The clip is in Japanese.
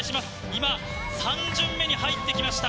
今、３巡目に入ってきました。